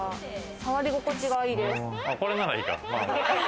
触り心地がいいです。